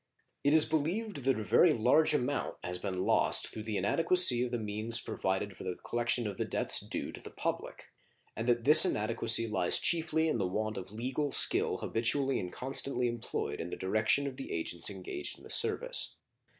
It is believed that a very large amount has been lost through the inadequacy of the means provided for the collection of debts due to the public, and that this inadequacy lies chiefly in the want of legal skill habitually and constantly employed in the direction of the agents engaged in the service.